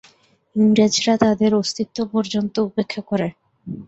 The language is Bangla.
ইংরেজরা তাদের অস্তিত্ব পর্যন্ত উপেক্ষা করে।